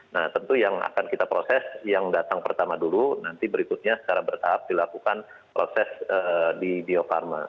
nah tentu yang akan kita proses yang datang pertama dulu nanti berikutnya secara bertahap dilakukan proses di bio farma